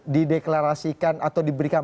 dideklarasikan atau diberikan